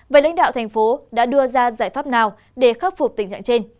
vậy lãnh đạo tp hcm đã đưa ra giải pháp nào để khắc phục tình trạng trên